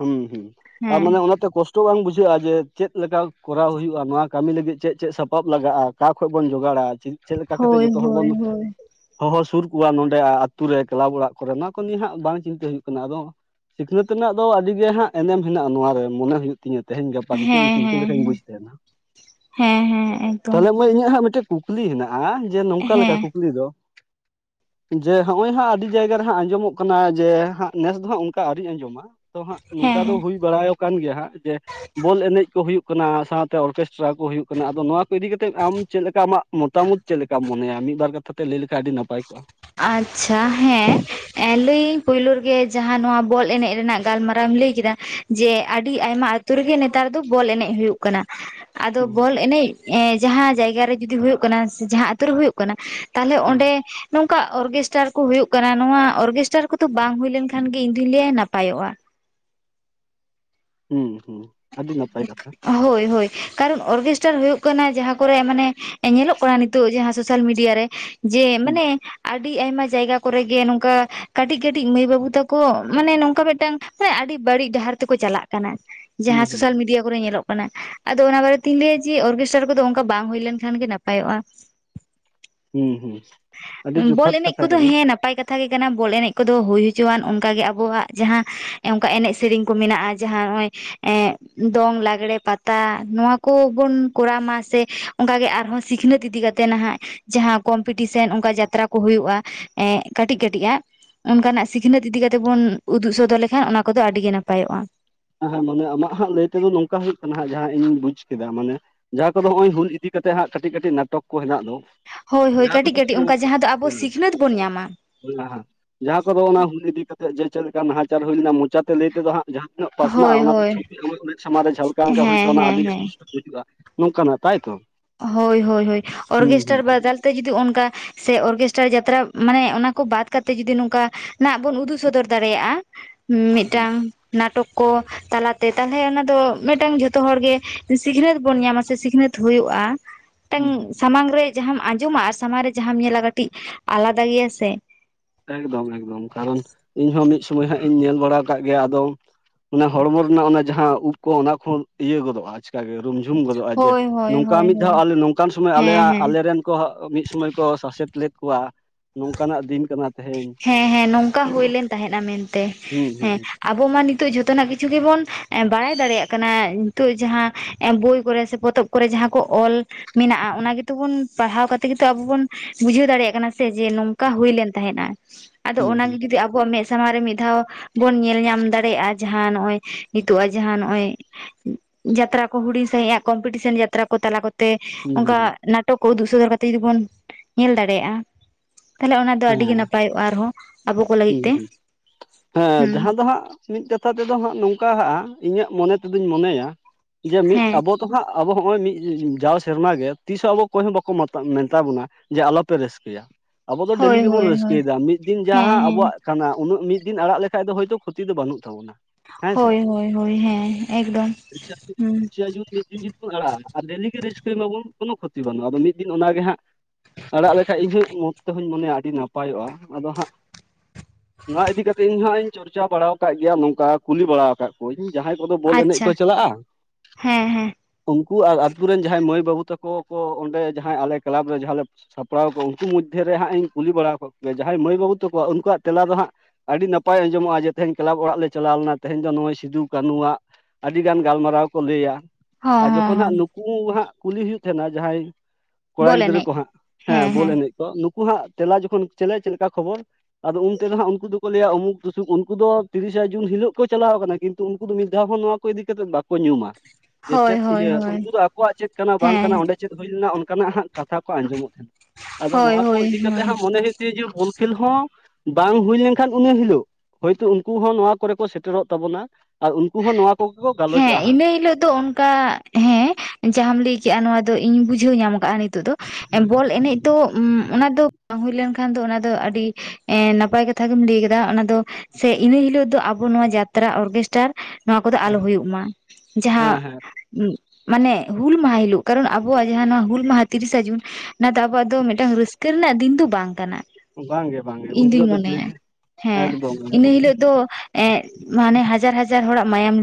ᱦᱩᱸ ᱦᱩᱸ᱾ [unintelligible] ᱟᱨ ᱢᱟᱱᱮ ᱚᱱᱟᱛᱮ ᱠᱚᱥᱴᱚ ᱠᱚᱥᱴᱚ ᱵᱟᱝ ᱵᱩᱡᱷᱟᱹᱜᱼᱟ ᱡᱮ ᱪᱮᱫ ᱞᱮᱠᱟ ᱠᱚᱨᱟᱣ ᱦᱩᱭᱩᱜ-ᱟ ᱱᱚᱣᱟ ᱠᱟᱹᱢᱤ ᱞᱟᱹᱜᱤᱫ ᱪᱮᱫ ᱪᱮᱫ ᱥᱟᱯᱟᱵ ᱞᱟᱜᱟᱜ-ᱟ ᱚᱠᱟ ᱠᱷᱚᱡ ᱵᱚᱱ ᱡᱚᱜᱟᱲᱟ᱾ ᱪᱮᱫ ᱞᱮᱠᱟ ᱠᱟᱛᱮᱜ ᱦᱳᱭ ᱡᱚᱛᱚ ᱦᱚᱲ ᱵᱚᱱ ᱦᱳᱭ ᱦᱳᱭ ᱾ ᱦᱚᱦᱚ ᱥᱩᱨ ᱠᱚᱣᱟ ᱱᱚᱰᱮ ᱟᱛᱩ ᱨᱮ ᱠᱮᱞᱟᱵᱽ ᱚᱲᱟᱜ ᱠᱚᱨᱮ ᱱᱚᱣᱟ ᱠᱚ ᱱᱤᱭᱟᱹ ᱦᱟᱜ ᱵᱟᱝ ᱪᱤᱱᱛᱟᱹ ᱦᱩᱭᱩᱜ ᱠᱟᱱᱟ ᱟᱫᱚ ᱾ ᱥᱤᱠᱷᱱᱟᱹᱛ ᱨᱮᱱᱟᱜ ᱫᱚ ᱟᱹᱰᱤ ᱜᱮ ᱦᱟᱜ ᱮᱱᱮᱢ ᱦᱮᱱᱟᱜ-ᱟ ᱱᱚᱣᱟ ᱨᱮ ᱢᱚᱱᱮ ᱦᱩᱭᱩᱜ ᱾ ᱛᱤᱧᱟᱹ ᱛᱮᱦᱮᱧ ᱜᱟᱯᱟ ᱱᱤᱛᱚᱜ ᱤᱧ ᱦᱮᱸ ᱪᱤᱱᱛᱟᱹ ᱦᱮᱸ ᱞᱮᱠᱷᱟᱧ ᱦᱮᱸ ᱵᱩᱡᱽ ᱛᱟᱦᱮᱱᱟ ᱦᱮᱸ ᱦᱮᱸ ᱮᱠᱫᱚᱢ ᱛᱟᱦᱚᱞᱮ ᱾ ᱤᱧᱟᱹᱜ ᱦᱟᱜ ᱢᱤᱫᱴᱮᱡ ᱠᱩᱠᱞᱤ ᱦᱮᱱᱟᱜ-ᱟ ᱡᱮ ᱱᱚᱝᱠᱟ ᱞᱮᱠᱟ ᱦᱮᱸ ᱠᱩᱠᱞᱤ ᱫᱚ ᱾ ᱡᱮ ᱦᱚᱜ-ᱚᱭ ᱦᱟᱜ ᱟᱹᱰᱤ ᱡᱟᱭᱜᱟ ᱨᱮ ᱦᱟᱜ ᱟᱸᱡᱚᱢᱚᱜ ᱠᱟᱱᱟ ᱡᱮ ᱦᱟᱜ ᱱᱮᱥ ᱫᱚ ᱦᱟᱜ ᱚᱱᱠᱟ ᱟᱹᱣᱨᱤᱧ ᱟᱡᱚᱢᱟ ᱾ ᱟᱫᱚ ᱦᱟᱜ ᱦᱮᱸ ᱱᱚᱝᱠᱟ ᱫᱚ ᱦᱮᱸ ᱦᱩᱭ ᱵᱟᱲᱟᱭ ᱠᱟᱱ ᱜᱮᱭᱟ ᱦᱟᱜ ᱡᱮ ᱵᱚᱞ ᱮᱱᱮᱡ ᱠᱚ ᱦᱩᱭᱩᱜ ᱠᱟᱱᱟ ᱥᱟᱶᱛᱮ ᱚᱨᱠᱮᱥᱴᱨᱟ ᱠᱚ ᱦᱩᱭᱩᱜ ᱠᱟᱱᱟ ᱟᱫᱚ ᱱᱚᱣᱟ ᱤᱫᱤ ᱠᱟᱛᱮ ᱟᱢ ᱪᱮᱫ ᱞᱮᱠᱟ ᱟᱢᱟᱜ ᱢᱚᱛᱟᱢᱚᱛ ᱪᱮᱫ ᱞᱮᱠᱟᱢ ᱢᱚᱱᱮᱭᱟ ᱢᱤᱫ ᱵᱟᱨ ᱠᱟᱛᱷᱟ ᱛᱮ ᱞᱟᱹᱭ ᱞᱮᱠᱷᱟᱱ ᱟᱹᱰᱤ ᱱᱟᱯᱟᱭ? ᱠᱚᱜᱼᱟ ᱟᱪᱪᱷᱟ ᱦᱮ ᱾ ᱞᱟᱹᱭᱟᱹᱧ ᱯᱳᱭᱞᱳ ᱨᱮᱜᱮ ᱡᱟᱦᱟᱸ ᱱᱚᱣᱟ ᱵᱚᱞ ᱮᱱᱮᱡ ᱨᱮᱱᱟᱜ ᱜᱟᱞᱢᱟᱨᱟᱣ ᱮᱢ ᱞᱟᱹᱭ ᱠᱮᱫᱟ ᱡᱮ ᱟᱹᱰᱤ ᱟᱭᱢᱟ ᱾ ᱟᱛᱳ ᱨᱮᱜᱮ ᱱᱮᱛᱟᱨ ᱫᱚ ᱵᱚᱞ ᱮᱱᱮᱡ ᱦᱩᱭᱩᱜ ᱠᱟᱱᱟ ᱾ ᱟᱫᱚ ᱦᱩᱸ ᱵᱚᱞ ᱮᱱᱮᱡ ᱡᱟᱦᱟᱸ ᱡᱟᱭᱜᱟ ᱨᱮ ᱡᱩᱫᱤ ᱦᱩᱭᱩᱜ ᱠᱟᱱᱟ ᱥᱮ ᱡᱟᱦᱟᱸ ᱟᱛᱳ ᱨᱮ ᱦᱩᱭᱩᱜ ᱠᱟᱱᱟ ᱾ ᱠᱟᱱᱟ ᱛᱟᱦᱞᱮ ᱦᱩᱸ ᱚᱸᱰᱮ ᱱᱚᱝᱠᱟ ᱚᱨᱜᱮᱥᱴᱟᱨ ᱠᱚ ᱦᱩᱭᱩᱜ ᱠᱟᱱᱟ ᱱᱚᱣᱟ ᱚᱨᱜᱮᱥᱴᱟᱨ ᱠᱚᱫᱚ ᱵᱟᱝ ᱦᱩᱭ ᱞᱮᱱ ᱠᱷᱟᱱ ᱜᱮ ᱤᱧ ᱫᱩᱧ ᱞᱟᱹᱭᱟ ᱱᱟᱯᱟᱭᱚᱜ-ᱟ ᱾ ᱦᱮᱸ ᱦᱮᱸ ᱟᱹᱰᱤ ᱱᱟᱯᱟᱭ ᱠᱟᱛᱷᱟ ᱾ ᱦᱳᱭ ᱦᱳᱭ ᱠᱟᱨᱚᱱ ᱚᱨᱜᱮᱥᱴᱟᱨ ᱦᱩᱭᱩᱜ ᱠᱟᱱᱟ ᱡᱟᱦᱟᱸ ᱠᱚᱨᱮ ᱢᱟᱱᱮ ᱾ ᱧᱮᱞᱚᱜ ᱠᱟᱱᱟ ᱱᱤᱛᱚᱜ ᱡᱟᱦᱟᱸ ᱥᱳᱥᱟᱞ ᱢᱤᱰᱤᱭᱟ ᱨᱮ ᱡᱮ ᱦᱩᱸ ᱢᱟᱱᱮ ᱾ ᱟᱹᱰᱤ ᱟᱭᱢᱟ ᱡᱟᱭᱜᱟ ᱠᱚᱨᱮ ᱜᱮ ᱱᱚᱝᱠᱟ ᱠᱟᱹᱴᱤᱡ ᱠᱟᱹᱴᱤᱡ ᱢᱟᱹᱭ ᱵᱟᱹᱵᱩ ᱛᱟᱠᱚ ᱢᱟᱱᱮ ᱱᱚᱝᱠᱟ ᱢᱤᱫᱴᱟᱝ ᱾ ᱟᱹᱰᱤ ᱵᱟᱹᱲᱤᱡ ᱰᱟᱦᱟᱨ ᱛᱮᱠᱚ ᱪᱟᱞᱟᱜ ᱠᱟᱱᱟ ᱾ ᱦᱩᱸ ᱦᱩᱸ ᱦᱩᱸ ᱰᱤᱭᱟ ᱠᱚᱨᱮ ᱧᱮᱞᱚᱜ ᱠᱟᱱᱟ ᱟᱫᱚ ᱚᱱᱟ ᱵᱟᱨᱮ ᱛᱤᱧ ᱞᱟᱹᱭᱟ ᱡᱮ ᱚᱨᱠᱮᱥᱴᱟᱨ ᱠᱚᱫᱚ ᱚᱱᱠᱟ ᱵᱟᱝ ᱦᱩᱭ ᱞᱮᱱᱠᱷᱟᱱ ᱜᱮ ᱱᱟᱯᱟᱭᱚᱜ-ᱟ ᱾ ᱦᱮᱸ ᱦᱩᱸ ᱟᱹᱰᱤ ᱵᱚᱞ ᱡᱚᱛᱷᱟᱛ ᱮᱱᱮᱡ ᱠᱟᱛᱷᱟ ᱠᱚᱫᱚ ᱠᱟᱱᱟ ᱾ ᱦᱮᱸ ᱱᱟᱯᱟᱭ ᱠᱟᱛᱷᱟ ᱜᱮ ᱠᱟᱱᱟ ᱵᱚᱞ ᱮᱱᱮᱡ ᱠᱚᱫᱚ ᱦᱩᱭ ᱦᱚᱪᱚᱣᱟᱱ ᱚᱱᱠᱟᱜ ᱜᱮ ᱟᱵᱚᱣᱟᱜ ᱡᱟᱦᱟᱸ ᱚᱱᱠᱟ ᱮᱱᱮᱡ ᱥᱮᱨᱮᱧ ᱠᱚ ᱢᱮᱱᱟᱜ-ᱟ ᱡᱟᱦᱟᱸ ᱱᱚᱜ-ᱚᱭ ᱾ ᱮ ᱫᱚᱝ ᱞᱟᱜᱽᱲᱮ ᱯᱟᱛᱟ ᱱᱚᱣᱟ ᱠᱚᱵᱚᱱ ᱠᱚᱨᱟᱣ ᱢᱟ ᱥᱮ ᱚᱱᱠᱟᱜ ᱜᱮ ᱟᱨᱦᱚᱸ ᱥᱤᱠᱷᱱᱟᱹᱛ ᱤᱫᱤ ᱠᱟᱛᱮᱜ ᱾ ᱛᱮ ᱱᱟᱦᱟᱜ ᱡᱟᱦᱟᱸ ᱠᱚᱢᱯᱤᱴᱤᱥᱮᱱ ᱚᱱᱠᱟ ᱡᱟᱛᱨᱟ ᱠᱚ ᱦᱩᱭᱩᱜ-ᱟ ᱮᱜ ᱠᱟᱹᱴᱤᱡ ᱠᱟᱹᱴᱤᱡ ᱟᱜ ᱾ ᱚᱱᱠᱟᱱᱟᱜ ᱥᱤᱠᱷᱱᱟᱹᱛ ᱤᱫᱤ ᱠᱟᱛᱮ ᱵᱚᱱ ᱩᱫᱩᱜ ᱥᱚᱫᱚᱨ ᱞᱮᱠᱷᱟᱱ ᱚᱱᱟ ᱠᱚᱫᱚ ᱟᱹᱰᱤ ᱜᱮ ᱱᱟᱯᱟᱭᱚᱜ-ᱟ ᱾ ᱦᱮᱸ ᱢᱟᱱᱮ ᱟᱢᱟᱜ ᱦᱟᱜ ᱞᱟᱹᱭ ᱛᱮᱫᱚ ᱱᱚᱝᱠᱟ ᱦᱩᱭᱩᱜ ᱠᱟᱱᱟ ᱦᱟᱜ ᱡᱟᱦᱟᱸ ᱤᱧ ᱵᱩᱡ ᱠᱮᱫᱟ᱾ ᱢᱟᱱᱮ ᱡᱟᱦᱟᱸ ᱠᱚᱫᱚ ᱱᱚᱜᱼᱚᱭ ᱦᱩᱞ ᱤᱫᱤ ᱠᱟᱛᱮᱜ ᱦᱟᱸᱜ ᱠᱟᱹᱴᱤᱡ ᱠᱟᱹᱴᱤᱡ ᱱᱟᱴᱚᱠ ᱠᱚ ᱦᱮᱱᱟᱜ ᱫᱚ᱾ ᱦᱳᱭ ᱦᱳᱭ ᱡᱟᱦᱟᱸ ᱠᱟᱹᱴᱤᱡ ᱠᱟᱹᱴᱤᱡ ᱠᱚᱫᱚ ᱚᱱᱠᱟ ᱡᱟᱦᱟᱸ ᱫᱚ ᱟᱵᱚ ᱥᱤᱠᱷᱱᱟᱹᱛ ᱵᱚᱱ ᱧᱟᱢᱟ᱾ ᱦᱩᱞ ᱞᱟᱦᱟ ᱡᱟᱦᱟᱸ ᱠᱚᱫᱚ ᱚᱱᱟ ᱦᱩᱞ ᱤᱫᱤ ᱠᱟᱛᱮᱜ ᱡᱮ ᱪᱮᱫ ᱞᱮᱠᱟ ᱱᱟᱦᱟᱪᱟᱨ ᱦᱩᱭ ᱞᱮᱱᱟ? ᱢᱚᱪᱟᱛᱮ ᱞᱟᱹᱭ ᱛᱮᱫᱚ ᱦᱟᱸᱜ ᱡᱟᱦᱟᱸ ᱛᱤᱱᱟᱹᱜ ᱯᱟᱥᱱᱟᱜᱼᱟ ᱦᱳᱭ ᱚᱱᱟ ᱫᱚ ᱦᱳᱭ ᱪᱷᱩᱵᱤ ᱥᱟᱢᱟᱝ ᱨᱮ ᱢᱮᱫᱽ ᱥᱟᱢᱟᱝ ᱨᱮ ᱡᱷᱟᱞᱠᱟ ᱟᱠᱟ ᱦᱩᱭ ᱛᱚ ᱦᱮᱸ ᱚᱱᱟ ᱦᱮᱸ ᱟᱹᱰᱤ ᱦᱩᱞ ᱞᱟᱦᱟ ᱡᱟᱦᱟᱸ ᱦᱮᱸ ᱠᱚᱫᱚ ᱚᱱᱟ ᱦᱩᱞ ᱤᱫᱤ ᱠᱟᱛᱮᱜ ᱡᱮ ᱪᱮᱫ ᱞᱮᱠᱟ ᱱᱟᱦᱟᱪᱟᱨ ᱦᱩᱭ ᱞᱮᱱᱟ? ᱢᱚᱪᱟᱛᱮ ᱞᱟᱹᱭ ᱛᱮᱫᱚ ᱦᱟᱸᱜ ᱡᱟᱦᱟᱸ ᱱᱚᱝᱠᱟᱱᱟᱜ ᱛᱟᱭᱛᱚ ᱦᱳᱭ ᱦᱳᱭ ᱦᱳᱭ ᱦᱩᱸ ᱦᱩᱸ ᱚᱨᱠᱮᱥᱴᱟᱨ ᱵᱚᱫᱚᱞ ᱡᱩᱫᱤ ᱚᱱᱠᱟ ᱥᱮ ᱚᱨᱠᱮᱥᱴᱟᱨ ᱡᱟᱛᱨᱟ ᱢᱟᱱᱮ ᱚᱱᱟ ᱠᱚ ᱵᱟᱫ ᱠᱟᱛᱮ ᱡᱚᱫᱤ ᱱᱚᱝᱠᱟ ᱦᱩᱞ ᱞᱟᱦᱟ ᱡᱟᱦᱟᱸ ᱠᱚᱫᱚ ᱚᱱᱟ ᱦᱩᱞ ᱤᱫᱤ ᱠᱟᱛᱮᱜ ᱡᱮ ᱪᱮᱫ ᱞᱮᱠᱟ ᱱᱟᱦᱟᱪᱟᱨ ᱦᱩᱭ ᱞᱮᱱᱟ? ᱢᱚᱪᱟᱛᱮ ᱞᱟᱹᱭ ᱛᱮᱫᱚ ᱦᱟᱸᱜ ᱡᱟᱦᱟᱸ ᱵᱚᱱ ᱩᱫᱩᱜ ᱥᱚᱫᱚᱨ ᱫᱟᱲᱮᱭᱟᱜᱼᱟ᱾ ᱦᱩᱸ ᱢᱤᱫᱴᱟᱝ ᱱᱟᱴᱚᱠ ᱠᱚ ᱦᱩᱞ ᱞᱟᱦᱟ ᱡᱟᱦᱟᱸ ᱠᱚᱫᱚ ᱚᱱᱟ ᱦᱩᱞ ᱤᱫᱤ ᱠᱟᱛᱮᱜ ᱡ ᱛᱟᱞᱟᱛᱮ ᱛᱟᱞᱦᱮ ᱚᱱᱟ ᱫᱚ ᱢᱤᱫᱴᱟᱝ ᱡᱷᱚᱛᱚ ᱦᱚᱲᱜᱮ ᱥᱤᱠᱷᱱᱟᱹᱛ ᱵᱚᱱ ᱧᱟᱢᱟ ᱥᱮ ᱥᱤᱠᱷᱱᱟᱹᱛ ᱦᱩᱭᱩᱜᱼᱟ᱾ ᱢᱤᱫᱴᱟᱝ ᱦᱩᱸ ᱦᱩᱸ ᱥᱟᱢᱟᱝ ᱨᱮ ᱡᱟᱦᱟᱢ ᱟᱡᱚᱢᱟ ᱟᱨ ᱥᱟᱢᱟᱝ ᱨᱮ ᱡᱟᱦᱟᱢ ᱧᱮᱞᱟ ᱠᱟᱹᱴᱤᱡ ᱟᱞᱟᱫᱟ ᱜᱮᱭᱟ ᱥᱮ ᱾ ᱮᱠᱫᱚᱢ ᱮᱠᱫᱚᱢ ᱠᱟᱨᱚᱱ ᱤᱧᱦᱚᱸ ᱢᱤᱫ ᱥᱚᱢᱚᱭ ᱦᱟᱸᱜ ᱤᱧ ᱧᱮᱞ ᱵᱟᱲᱟ ᱟᱠᱟᱫ ᱜᱮᱭᱟ᱾ ᱟᱫᱚ ᱚᱱᱟ ᱦᱚᱲᱢᱚ ᱨᱮᱱᱟᱜ ᱚᱱᱟ ᱡᱟᱦᱟᱸ ᱩᱵᱽ ᱠᱚ ᱚᱱᱟ ᱠᱚ ᱤᱭᱟᱹ ᱜᱚᱫᱚᱜᱼᱟ᱾ ᱜᱮ ᱨᱩᱢ ᱡᱷᱩᱢ ᱜᱚᱫᱚᱜᱼᱟ᱾ ᱡᱮ ᱦᱳᱭ ᱦᱳᱭ ᱱᱚᱝᱠᱟ ᱦᱳᱭ ᱢᱤᱫ ᱫᱷᱟᱣ ᱦᱳᱭ ᱟᱞᱮ ᱱᱚᱝᱠᱟᱱ ᱥᱚᱢᱚᱭ ᱦᱮᱸ ᱟᱞᱮᱭᱟᱜ ᱦᱮᱸ ᱟᱞᱮᱨᱮᱱ ᱢᱤᱫ ᱥᱚᱢᱚᱭ ᱠᱚ ᱥᱟᱥᱮᱛ ᱞᱮᱫ ᱠᱚᱣᱟ ᱱᱚᱝᱠᱟᱱᱟᱜ ᱫᱤᱱ ᱠᱟᱱᱟ᱾ ᱛᱮᱦᱮᱧ ᱦᱮᱸ ᱦᱮᱸ ᱱᱚᱝᱠᱟ ᱦᱩᱭᱞᱮᱱ ᱛᱟᱦᱮᱸᱫᱱᱟ ᱢᱮᱱᱛᱮ, ᱦᱩᱸ ᱦᱩᱸ ᱦᱮᱸ᱾ ᱟᱵᱚ ᱢᱟ ᱱᱤᱛᱚᱜ ᱡᱷᱚᱛᱚᱱᱟᱜ ᱠᱤᱪᱷᱩ ᱜᱮᱵᱚᱱ ᱵᱟᱲᱟᱭ ᱫᱟᱲᱮᱭᱟᱜ ᱠᱟᱱᱟ᱾ ᱱᱤᱛᱚᱜ ᱡᱟᱦᱟᱸ ᱵᱚᱭ ᱠᱚᱨᱮ ᱥᱮ ᱯᱚᱛᱚᱵ ᱠᱚᱨᱮ ᱠᱚᱨᱮ ᱡᱟᱦᱟᱸ ᱠᱚ ᱚᱞ ᱢᱮᱱᱟᱜᱼᱟ ᱚᱱᱟ ᱜᱮᱛᱚᱵᱚᱱ ᱯᱟᱲᱦᱟᱣ ᱠᱟᱛᱮ ᱜᱮᱛᱚ ᱟᱵᱚ ᱵᱚᱱ ᱵᱩᱡᱷᱟᱹᱣ ᱫᱟᱲᱮᱭᱟᱜ ᱠᱟᱱᱟ᱾ ᱥᱮ ᱡᱮ ᱱᱚᱝᱠᱟ ᱦᱩᱭ ᱞᱮᱱ ᱛᱟᱦᱮᱸᱫᱱᱟ ᱟᱫᱚ ᱦᱩᱸ ᱦᱩᱸ ᱚᱱᱟᱜᱮ ᱡᱩᱫᱤ ᱟᱵᱚᱣᱟᱜ ᱢᱮᱫ ᱥᱟᱢᱟᱝ ᱨᱮ ᱢᱤᱫ ᱫᱷᱟᱣ ᱵᱚᱱ ᱧᱮᱞ ᱧᱟᱢ ᱫᱟᱲᱮᱭᱟᱜᱼᱟ᱾ ᱡᱟᱦᱟᱸ ᱱᱚᱜ-ᱚᱭ ᱱᱤᱛᱚᱜ-ᱟ ᱡᱟᱦᱟᱸ ᱱᱚᱜᱚᱭ- ᱡᱟᱛᱨᱟ ᱠᱚ ᱦᱩᱰᱤᱧ ᱥᱟᱺᱦᱤᱡ ᱟᱜ ᱠᱚᱢᱯᱤᱴᱤᱥᱮᱱ ᱡᱟᱛᱨᱟ ᱠᱚ ᱛᱟᱞᱟ ᱠᱚ ᱛᱮ ᱦᱩᱸ ᱦᱩᱸ ᱚᱱᱠᱟ ᱱᱟᱴᱚᱠ ᱠᱚ ᱩᱫᱩᱜ ᱥᱚᱫᱚᱨ ᱠᱟᱛᱮ ᱡᱩᱫᱤ ᱵᱚᱱ ᱧᱮᱞ ᱫᱟᱲᱮᱭᱟᱜᱼᱟ᱾ ᱛᱟᱞᱦᱮ ᱚᱱᱟ ᱫᱚ ᱦᱩᱸ ᱟᱹᱰᱤ ᱜᱮ ᱱᱟᱯᱟᱭᱚᱜᱼᱟ ᱟᱨᱦᱚᱸ᱾ ᱟᱵᱚ ᱠᱚ ᱞᱟᱹᱜᱤᱫ ᱛᱮ ᱦᱮᱸ ᱦᱮᱸ ᱦᱩᱸ ᱡᱟᱦᱟᱸ ᱫᱚ ᱦᱟᱸᱜ ᱢᱤᱫ ᱠᱟᱛᱷᱟ ᱛᱮᱫᱚ ᱦᱟᱸᱜ ᱱᱚᱝᱠᱟ ᱟ ᱤᱧᱟᱹᱜ ᱢᱚᱱᱮ ᱛᱮᱫᱚᱧ ᱢᱚᱱᱮᱭᱟ ᱡᱮ ᱢᱤᱫ ᱦᱮᱸ ᱟᱵᱚ ᱛᱚ ᱦᱟᱸᱜ ᱟᱵᱚ ᱦᱚᱸᱜᱼᱚᱭ ᱢᱤᱫ ᱡᱟᱣ ᱥᱮᱨᱢᱟ ᱜᱮ ᱛᱤᱥᱚᱸ ᱟᱵᱚ ᱚᱠᱚᱭ ᱦᱚᱸ ᱵᱟᱠᱚ ᱢᱮᱛᱟ ᱵᱚᱱᱟ᱾ ᱡᱮ ᱟᱞᱚᱯᱮ ᱨᱟᱹᱥᱠᱟᱹᱭᱟ ᱟᱵᱚ ᱫᱚ ᱰᱮᱞᱤ ᱦᱳᱭ ᱜᱮᱵᱚᱱ ᱦᱳᱭ ᱦᱳᱭ ᱨᱟᱹᱥᱠᱟᱹᱭᱮᱫᱟ᱾ ᱢᱤᱫ ᱫᱤᱱ ᱦᱮᱸ ᱡᱟᱦᱟᱸ ᱦᱮᱸ ᱟᱵᱚᱣᱟᱜ ᱠᱟᱱᱟ ᱩᱱᱟᱹᱜ ᱢᱤᱫ ᱫᱤᱱ ᱟᱲᱟᱜ ᱞᱮᱠᱷᱟᱡ ᱫᱚ ᱦᱳᱭ ᱠᱷᱚᱛᱤ ᱫᱚ ᱵᱟᱹᱱᱩᱜ ᱛᱟᱵᱚᱱᱟ᱾ ᱦᱮᱸ ᱥᱮ ᱦᱳᱭ ᱦᱳᱭ ᱦᱳᱭ ᱦᱮᱸ ᱮᱠᱫᱚᱢ ᱦᱩᱸ [unintelligible] [unintelligible] ᱟᱲᱟᱜ ᱟᱨ ᱰᱮᱞᱤ ᱜᱮ ᱨᱟᱹᱥᱠᱟᱹᱭ ᱢᱟᱵᱚᱱ ᱠᱳᱱᱳ ᱠᱷᱚᱛᱤ ᱵᱟᱹᱱᱩᱜ-ᱟ᱾ ᱟᱫᱚ ᱢᱤᱫ ᱫᱤᱱ ᱚᱱᱟᱜᱮ ᱦᱟᱸᱜ ᱟᱲᱟᱜ ᱞᱮᱠᱷᱟᱡ ᱤᱧᱦᱚᱸ ᱢᱚᱡᱽ ᱛᱮᱦᱚᱧ ᱢᱚᱱᱮᱭᱟ ᱟᱹᱰᱤ ᱱᱟᱯᱟᱭᱚᱜᱼᱟ᱾ ᱟᱫᱚ ᱦᱟᱸᱜ ᱱᱚᱣᱟ ᱤᱫᱤᱠᱟ ᱠᱟᱛᱮ ᱤᱧ ᱦᱟᱸᱜ ᱤᱧ ᱪᱚᱨᱪᱟ ᱵᱟᱲᱟ ᱟᱠᱟᱫ ᱜᱮᱭᱟ ᱱᱚᱝᱠᱟ ᱠᱩᱞᱤ ᱵᱟᱲᱟ ᱟᱠᱟᱫ ᱠᱚᱣᱟᱜ ᱡᱟᱦᱟᱸᱟᱭ ᱠᱚᱫᱚ ᱵᱚᱞ ᱮᱱᱮᱡ ᱟᱪᱪᱷᱟ ᱠᱚ ᱪᱟᱞᱟᱜᱼᱟ᱾ ᱦᱮᱸ ᱦᱮᱸ ᱩᱱᱠᱩ ᱟᱨ ᱟᱹᱛᱩ ᱨᱮᱱ ᱡᱟᱦᱟᱸᱭ ᱢᱟᱹᱭ ᱵᱟᱹᱵᱩ ᱛᱟᱠᱚ ᱠᱚ ᱚᱸᱰᱮ ᱡᱟᱦᱟᱸᱭ ᱟᱞᱮ ᱠᱞᱟᱵᱽ ᱨᱮ ᱡᱟᱦᱟᱸ ᱞᱮ ᱥᱟᱯᱲᱟᱣ ᱠᱚᱣᱟ ᱩᱱᱠᱩ ᱢᱚᱫᱽᱫᱷᱮ ᱨᱮ ᱦᱟᱸᱜ ᱤᱧ ᱠᱩᱞᱤ ᱵᱟᱲᱟ ᱠᱚᱜᱮ, ᱡᱟᱦᱟᱸᱭ ᱢᱟᱹᱭ ᱵᱟᱹᱵᱩ ᱛᱟᱠᱚᱣᱟ ᱩᱱᱠᱩᱣᱟᱜ ᱛᱮᱞᱟ ᱫᱚ ᱦᱟᱸᱜ ᱟᱹᱰᱤ ᱱᱟᱯᱟᱭ ᱟᱸᱡᱚᱢᱚᱜᱼᱟ ᱡᱮ ᱛᱮᱦᱮᱧ ᱠᱞᱟᱵᱽ ᱚᱲᱟᱜ ᱞᱮ ᱪᱟᱞᱟᱣ ᱞᱮᱱᱟ᱾ ᱛᱮᱦᱮᱧ ᱫᱚ ᱱᱚᱜᱼᱚᱭ ᱥᱤᱫᱩ ᱠᱟᱹᱱᱩᱣᱟᱜ ᱟᱹᱰᱤ ᱜᱟᱱ ᱜᱟᱞᱢᱟᱨᱟᱣ ᱠᱚ ᱞᱟᱹᱭᱟ᱾ ᱦᱚᱸ ᱟᱨ ᱦᱚᱸ ᱡᱚᱠᱷᱚᱱ ᱦᱟᱸᱜ ᱦᱚᱸ ᱱᱩᱠᱩ ᱦᱟᱸᱜ ᱠᱩᱞᱤ ᱦᱩᱭᱩᱜ ᱛᱟᱦᱮᱱᱟ᱾ ᱡᱟᱦᱟᱸᱭ ᱠᱚᱲᱟ ᱵᱚᱞ ᱜᱤᱫᱽᱨᱟᱹ ᱮᱱᱮᱡ ᱠᱚ ᱦᱟᱸᱜ ᱦᱮᱸ ᱵᱚᱞ ᱮᱱᱮᱡ ᱠᱚ ᱱᱩᱠᱩ ᱦᱟᱸᱜ ᱛᱮᱞᱟ ᱡᱚᱠᱷᱚᱱ ᱪᱮᱞᱮᱫ ᱪᱮᱫ ᱞᱮᱠᱟ ᱠᱷᱚᱵᱚᱨ ᱟᱫᱚ ᱩᱱᱛᱮᱫᱚ ᱦᱟᱸᱜ ᱩᱱᱠᱩ ᱫᱚᱠᱚ ᱞᱟᱹᱭᱟ ᱩᱢᱩᱠ ᱛᱩᱥᱩᱠ ᱩᱱᱠᱩ ᱫᱚ ᱛᱤᱨᱤᱥᱟ ᱡᱩᱱ ᱦᱤᱞᱚᱜ ᱠᱚ ᱪᱟᱞᱟᱣ ᱠᱟᱱᱟ ᱠᱤᱱᱛᱩ ᱩᱱᱠᱩ ᱫᱚ ᱢᱤᱫ ᱫᱷᱟᱣ ᱦᱚᱸ ᱱᱚᱣᱟ ᱩᱱᱠᱩ ᱤᱫᱤ ᱠᱟᱛᱮ ᱵᱟᱠᱚ ᱧᱩᱢᱟ᱾ ᱦᱳᱭ ᱪᱮᱫ ᱦᱳᱭ ᱤᱭᱟᱹ ᱦᱳᱭ ᱩᱱᱠᱩ ᱫᱚ ᱟᱠᱚᱣᱟᱜ ᱪᱮᱫ ᱠᱟᱱᱟ ᱵᱟᱝ ᱠᱟᱱᱟ ᱦᱮᱸ ᱚᱸᱰᱮ ᱪᱮᱫ ᱦᱩᱭ ᱞᱮᱱᱟ ᱚᱱᱠᱟᱱᱟᱜ ᱦᱟᱸᱜ ᱠᱟᱛᱷᱟ ᱠᱚ ᱟᱸᱡᱚᱢᱚᱜ ᱛᱟᱦᱮᱱᱟ᱾ ᱟᱫᱚ ᱦᱳᱭ ᱱᱚᱣᱟ ᱠᱚ ᱦᱳᱭ ᱤᱫᱤ ᱠᱟᱛᱮ ᱦᱳᱭ ᱦᱟᱸᱜ ᱢᱚᱱᱮ ᱦᱩᱭᱩᱜ ᱠᱟᱱᱟ᱾ ᱛᱮ ᱡᱮ ᱵᱚᱞ ᱠᱷᱮᱞ ᱦᱚᱸ ᱵᱟᱝ ᱦᱩᱭ ᱞᱮᱱᱠᱷᱟᱱ ᱩᱱᱟᱹ ᱦᱤᱞᱳᱜ ᱦᱚᱭᱛᱳ ᱩᱱᱠᱩ ᱦᱚᱸ ᱱᱚᱣᱟ ᱠᱚᱨᱮ ᱠᱚ ᱥᱮᱴᱮᱨᱚᱜ ᱛᱟᱵᱚᱱᱟ ᱟᱨ ᱩᱱᱠᱩ ᱦᱚᱸ ᱱᱚᱣᱟ ᱠᱚᱜᱮ ᱠᱚ ᱦᱮᱸ ᱜᱟᱞᱚᱪᱚᱜᱼᱟ ᱦᱟᱸᱜ ᱤᱱᱟᱹ ᱦᱤᱞᱟᱹᱜ ᱫᱚ ᱚᱱᱠᱟ ᱦᱮᱸ ᱡᱟᱦᱟᱸᱢ ᱞᱟᱹᱭ ᱠᱮᱫᱼᱟ᱾ ᱱᱚᱣᱟ ᱫᱚ ᱤᱧ ᱵᱩᱡᱷᱟᱹᱣ ᱧᱟᱢ ᱠᱟᱜ ᱟ ᱱᱤᱛᱚᱜ ᱫᱚ ᱵᱚᱞ ᱮᱱᱮᱡ ᱫᱚ ᱚᱱᱟ ᱫᱚ ᱵᱟᱝ ᱦᱩᱭ ᱞᱮᱱᱠᱷᱟᱱ ᱠᱷᱟᱱ ᱫᱚ ᱚᱱᱟ ᱫᱚ ᱟᱹᱰᱤ ᱮ ᱱᱟᱯᱟᱭ ᱠᱟᱛᱷᱟ ᱜᱮᱢ ᱞᱟᱹᱭ ᱠᱟᱫᱟ᱾ ᱚᱱᱟ ᱫᱚ ᱥᱮ ᱤᱱᱟᱹ ᱦᱤᱞᱳᱜ ᱫᱚ ᱟᱵᱚ ᱱᱚᱣᱟ ᱡᱟᱛᱨᱟ ᱚᱨᱜᱮᱥᱴᱟᱨ ᱱᱚᱣᱟ ᱠᱚᱫᱚ ᱟᱞᱚ ᱦᱩᱭᱩᱜ ᱢᱟ᱾ ᱡᱟᱦᱟᱸ ᱦᱮᱸ ᱦᱮᱸ ᱢᱟᱱᱮ ᱦᱩᱞ ᱢᱟᱦᱟ ᱦᱤᱞᱳᱜ ᱠᱟᱨᱚᱱ ᱟᱵᱚᱣᱟᱜ ᱡᱟᱦᱟᱸ ᱱᱚᱣᱟ ᱦᱩᱞ ᱢᱟᱦᱟ ᱛᱤᱨᱤᱥᱟ ᱡᱩᱱ ᱱᱚᱣᱟ ᱫᱚ ᱟᱵᱚᱣᱟᱜ ᱫᱚ ᱢᱤᱫᱴᱟᱝ ᱨᱟᱹᱥᱠᱟᱹ ᱨᱮᱱᱟᱜ ᱫᱤᱱ ᱫᱚ ᱵᱟᱝ ᱠᱟᱱᱟ ᱵᱟᱝᱜᱮ ᱵᱟᱝᱜᱮ ᱩᱱ ᱤᱧ ᱫᱩᱧ ᱦᱤᱞᱳᱜ ᱫᱚ ᱢᱚᱱᱮᱭᱟ ᱡᱮ ᱦᱮᱸ ᱮᱠᱫᱚᱢ ᱤᱱᱟᱹ ᱮᱠᱫᱚᱢ ᱦᱤᱞᱳᱜ ᱫᱚ ᱮ ᱢᱟᱱᱮ ᱦᱟᱡᱟᱨ ᱦᱟᱡᱟᱨ ᱦᱚᱲᱟᱜ ᱢᱟᱭᱟᱢ ᱞᱤ